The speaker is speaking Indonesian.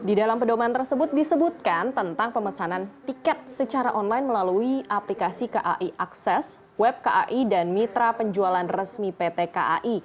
di dalam pedoman tersebut disebutkan tentang pemesanan tiket secara online melalui aplikasi kai akses web kai dan mitra penjualan resmi pt kai